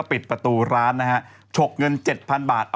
เป็นอะไรบ้าง